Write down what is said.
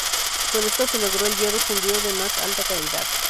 Con esto se logró el hierro fundido de más alta calidad.